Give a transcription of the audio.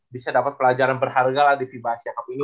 bisa dapat pelajaran berharga lah di fiba asia cup ini